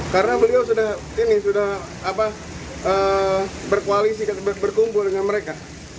karena beliau sudah berkoalisi berkumpul dengan mereka